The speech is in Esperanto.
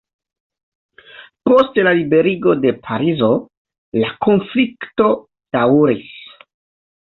Post la liberigo de Parizo, la konflikto daŭris.